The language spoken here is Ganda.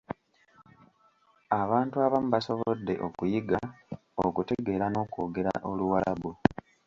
Abantu abamu basobodde okuyiga, okutegeera n'okwogera Oluwalabu.